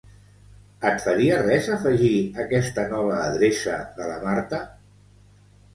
Et faria res afegir aquesta nova adreça de la Marta?